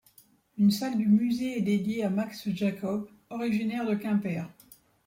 Une salle du musée est dédiée à Max Jacob, originaire de Quimper.